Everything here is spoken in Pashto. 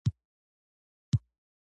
بیا وروسته پسه او غوا هم اهلي شول.